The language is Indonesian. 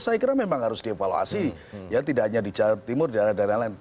saya kira memang harus dievaluasi ya tidak hanya di jawa timur daerah daerah lain